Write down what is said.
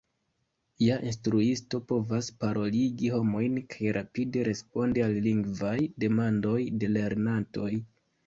Ja instruisto povas paroligi homojn kaj rapide respondi al lingvaj demandoj de lernantoj.